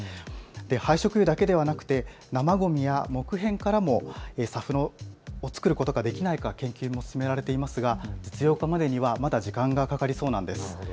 廃食油だけではなくて生ごみや木片からもＳＡＦを作ることができないか研究も進められていますが実用化までにはまだ時間がかかりそうなんです。